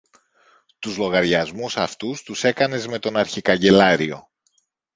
Τους λογαριασμούς αυτούς τους έκανες με τον αρχικαγκελάριο.